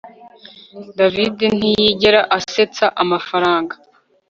David ntiyigera asetsa amafaranga